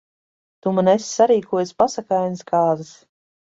Tu man esi sarīkojis pasakainas kāzas.